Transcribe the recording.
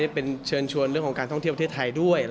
เป็นเชิญชวนเรื่องของการท่องเที่ยวประเทศไทยด้วย